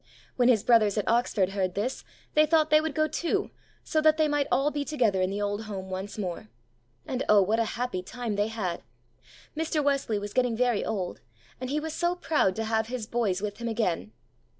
When his brothers at Oxford heard this, they thought they would go too, so that they might all be together in the old home once more. And, oh, what a happy time they had! Mr. Wesley was getting very old, and he was so proud to have his "boys" with him again.